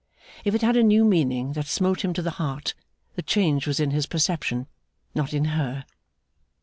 If it had a new meaning that smote him to the heart, the change was in his perception, not in her.